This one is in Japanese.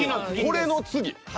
これの次。